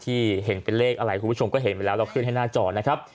ที่เห็นเป็นเลขอะไรคุณผู้ชมก็เห็นไปแล้วเราขึ้นให้หน้าจอนะครับ